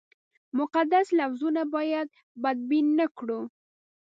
مقدس لفظونه باید بدبین نه کړو.